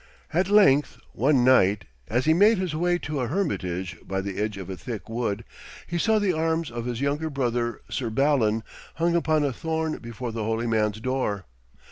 At length one night, as he made his way to a hermitage by the edge of a thick wood, he saw the arms of his younger brother, Sir Balan, hung upon a thorn before the holy man's door.